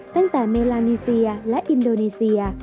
ตั้งแต่เมลานีเซียและอินโดนีเซีย